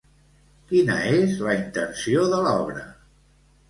Quina és la intenció de l'obra?